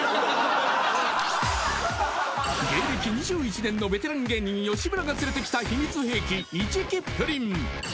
［芸歴２１年のベテラン芸人吉村が連れてきた秘密兵器イチキップリン］